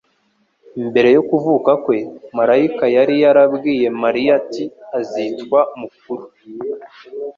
Mbere yo kuvuka kwe, malayika yari yarabwiye Mariya ati : "Azitwa mukuru,